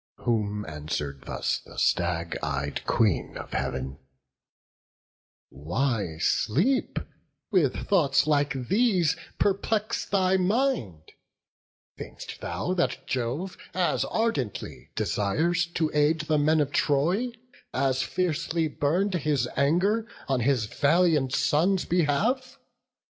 Whom answer'd thus the stag ey'd Queen of Heav'n: "Why, Sleep, with thoughts like these perplex thy mind Think'st thou that Jove as ardently desires To aid the men of Troy, as fiercely burn'd His anger on his valiant son's behalf?